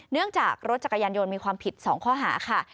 เนื่องจากรถจักรยานยนต์มีความผิด๒ข้อหาค่ะ